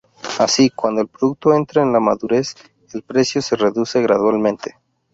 Así, cuando el producto entra en la madurez, el precio se reduce gradualmente.